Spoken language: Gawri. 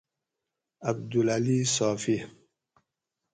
عبدالعلی صافی